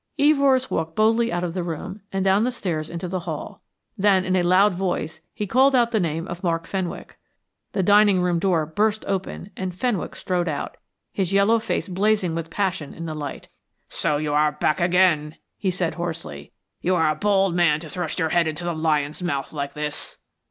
Evors walked boldly out of the room and down the stairs into the hall then in a loud voice he called out the name of Mark Fenwick. The dining room door burst open and Fenwick strode out, his yellow face blazing with passion in the light. "So you are back again," he said hoarsely. "You are a bold man to thrust your head into the lion's mouth like this."